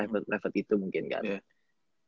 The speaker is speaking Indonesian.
private itu mungkin kan